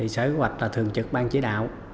sở kế hoạch là thường trực ban chỉ đạo